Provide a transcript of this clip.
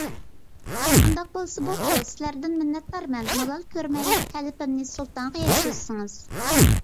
ئۇنداق بولسا بوپتۇ. سىلەردىن مىننەتدارمەن. مالال كۆرمەي تەلىپىمنى سۇلتانغا يەتكۈزسىڭىز.